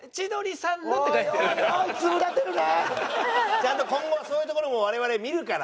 ちゃんと今後はそういうところも我々見るから。